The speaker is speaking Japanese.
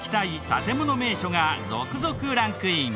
建もの名所が続々ランクイン。